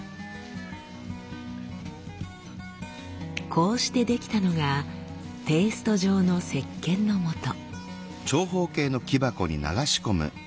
こうして出来たのがペースト状のせっけんのもと。